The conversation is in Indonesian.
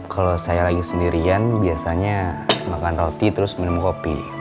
kalau saya lagi sendirian biasanya makan roti terus minum kopi